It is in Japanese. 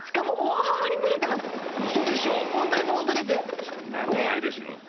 富澤：そんなのないでしょ。